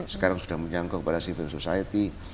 sekarang sudah menjangkau kepada civil society